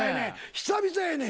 久々やねん。